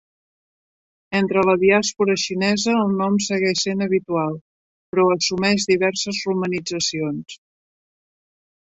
Entre la diàspora xinesa, el nom segueix sent habitual, però assumeix diverses romanitzacions.